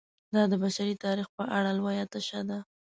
دا د بشري تاریخ په اړه لویه تشه ده.